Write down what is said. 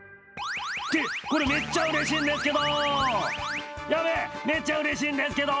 って、これ、めっちゃうれしいんですけど！